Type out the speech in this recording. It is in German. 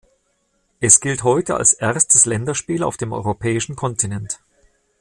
Es gilt heute als erstes Länderspiel auf dem europäischen Kontinent.